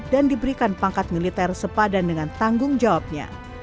dan diberikan pangkat militer sepadan dengan tanggung jawabnya